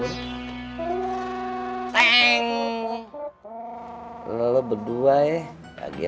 akhirnya lo datang juga